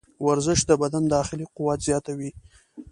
ورزش د بدن داخلي قوت زیاتوي.